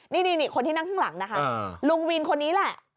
นี่คนที่นั่งข้างหลังนะคะลุงวินคนนี้แหละ